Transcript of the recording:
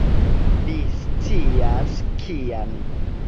Vi scias, kian.